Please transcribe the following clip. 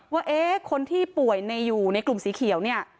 ว่าคนที่ป่วยอยู่ในกลุ่มสีเขียวเนี่ย